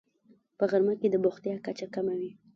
په غرمه کې د بوختیا کچه کمه وي